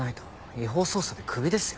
違法捜査でクビですよ。